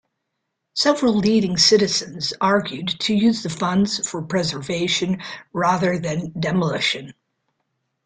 Several leading citizens argued to use the funds for preservation rather than demolition.